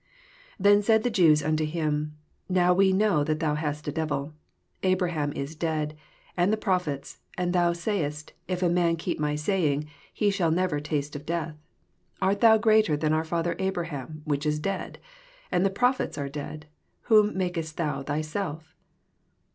52 Then said the Jews unto him, Now we know that thou hast a devil. Abraham is dead, and the prophets; and thou sayest, If a man keep my saying, he shall never taste of death. 63 Art thou greater than our father Abraham, which is dead? and the prophets are dead: whom makest thou thyself?